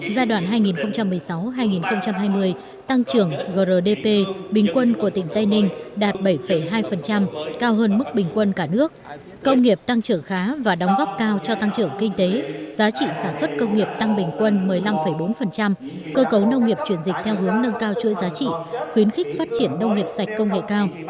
giai đoạn hai nghìn một mươi sáu hai nghìn hai mươi tăng trưởng grdp bình quân của tỉnh tây ninh đạt bảy hai cao hơn mức bình quân cả nước công nghiệp tăng trưởng khá và đóng góp cao cho tăng trưởng kinh tế giá trị sản xuất công nghiệp tăng bình quân một mươi năm bốn cơ cấu nông nghiệp chuyển dịch theo hướng nâng cao chuỗi giá trị khuyến khích phát triển nông nghiệp sạch công nghệ cao